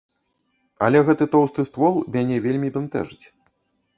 Але гэты тоўсты ствол мяне вельмі бянтэжыць.